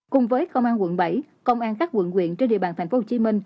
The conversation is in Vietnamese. cùng với công an quận bảy công an các quận quyện trên địa bàn tp hcm